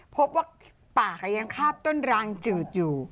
พบว่าปากยังคาบต้นรางจืดอยู่